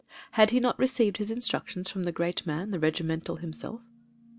Had he not received his instructions from that great man the regimental himself?